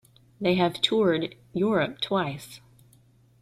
They have toured Europe twice.